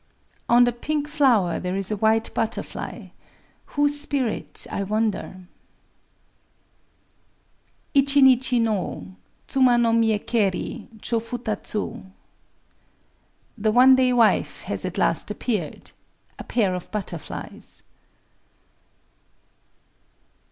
[On the pink flower there is a white butterfly: whose spirit, I wonder?] Ichi nichi no Tsuma to miëkéri— Chō futatsu. [_The one day wife has at last appeared—a pair of butterflies!